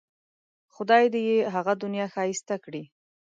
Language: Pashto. خدای دې یې هغه دنیا ښایسته کړي.